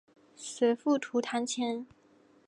随父徙钱塘。